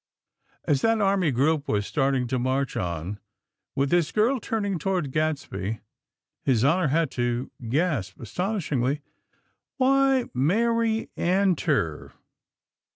_" As that army group was starting to march on, with this girl turning towards Gadsby, His Honor had to gasp, astonishingly: "Why! Mary Antor!!"